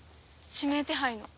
指名手配の。